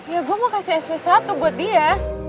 ya gue mau kasih sp satu buat dia